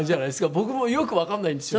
僕もよくわかんないんですよ。